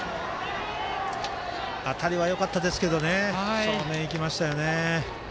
当たりはよかったですけど正面に行きましたよね。